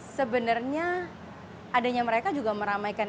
sebenarnya adanya mereka juga meramaikan